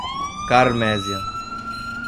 Carmésia